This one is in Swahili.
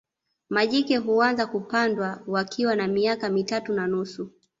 Majike huanza kupandwa wakiwa na miaka mitatu na nusu